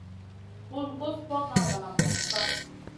Bun gus fokŋa valam noŋ kaf.